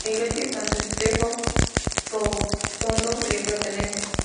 La iglesia de Santo Stefano Rotondo le pertenece.